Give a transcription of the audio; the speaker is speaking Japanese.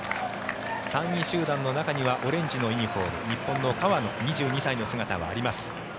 ３位集団の中にはオレンジのユニホーム日本の川野２２歳の姿があります。